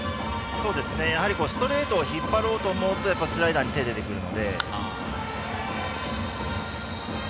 ストレートを引っ張ろうと思うとスライダーに手が出てしまうんですね。